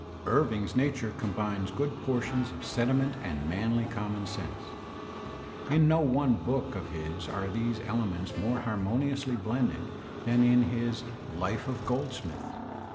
Irving's nature combines good portions of sentiment and manly common sense. In no one book of his are these ele ments more harmoniously blended than in his *'Life of Gold smith."